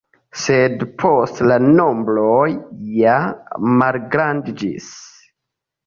Sed poste la nombroj ja malgrandiĝis.